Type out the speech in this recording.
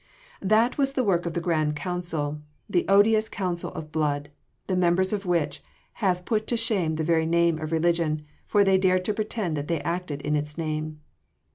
That was the work of the Grand Council the odious Council of Blood, the members of which have put to shame the very name of religion, for they dared to pretend that they acted in its name.